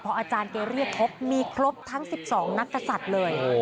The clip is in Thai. เพราะอาจารย์เครียดพบมีครบทั้ง๑๒นักศัตริย์เลย